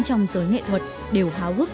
trong giới nghệ thuật đều háo hức